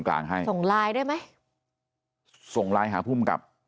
ให้หาผู้มกับหรือส่องลายได้ไหม